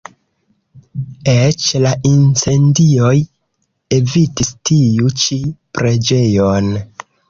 Eĉ la incendioj evitis tiu ĉi preĝejon.